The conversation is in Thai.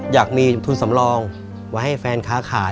อยากมีทุนสำรองไว้ให้แฟนค้าขาย